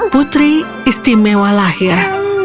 putri istimewa lahir